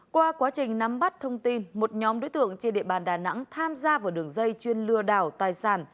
qua quá trình nắm bắt thông tin một nhóm đối tượng trên địa bàn đà nẵng tham gia vào đường dây chuyên lừa đảo tài sản